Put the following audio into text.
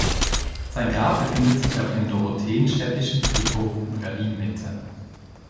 Sein Grab befindet sich auf dem Dorotheenstädtischen Friedhof in Berlin-Mitte.